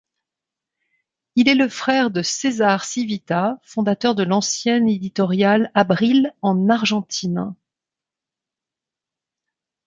Il est le frère de César Civita fondateur de l'ancien Editorial Abril en Argentine.